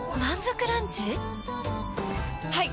はい！